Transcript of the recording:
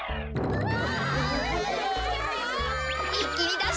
うわ！